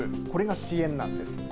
これが支援なんです。